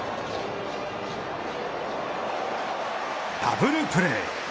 ダブルプレー。